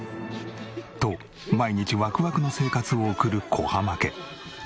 と毎日ワクワクの生活を送る小濱家。